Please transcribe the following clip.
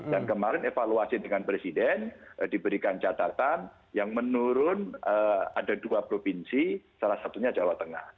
dan kemarin evaluasi dengan presiden diberikan catatan yang menurun ada dua provinsi salah satunya jawa tengah